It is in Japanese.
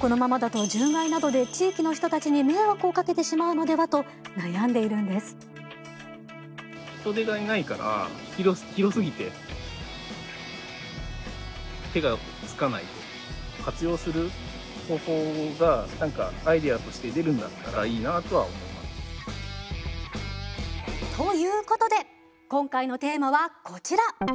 このままだと獣害などで地域の人たちに迷惑をかけてしまうのではと悩んでいるんです。ということで今回のテーマはこちら。